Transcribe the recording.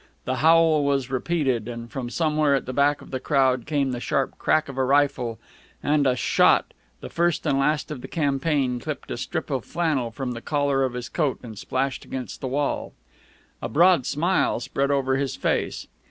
The howl was repeated, and from somewhere at the back of the crowd came the sharp crack of a rifle, and a shot, the first and last of the campaign, clipped a strip of flannel from the collar of his coat and splashed against the wall. A broad smile spread over his face.